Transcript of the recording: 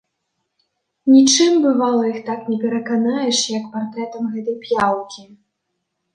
Нічым, бывала, іх так не пераканаеш, як партрэтам гэтай п'яўкі.